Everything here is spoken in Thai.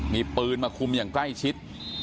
มีปืนมาคุมอย่างใกล้ชิด